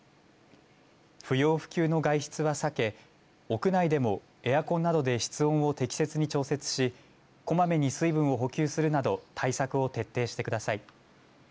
不要不急の外出は避け屋内でもエアコンなどで室温を適切に調節しこまめに水分を補給するなど対策を徹底してください。